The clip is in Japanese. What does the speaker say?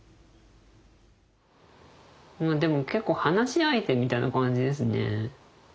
まあでも結構話し相手みたいな感じですね。